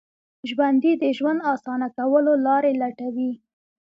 ژوندي د ژوند اسانه کولو لارې لټوي